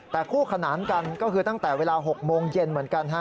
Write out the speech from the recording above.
แต่คู่ขนานกันก็คือตั้งแต่เวลา๖โมงเย็นเหมือนกัน